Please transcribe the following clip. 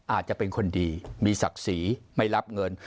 อาจจะเป็นคนดีมีศักดิ์ศรีไม่รับเงิน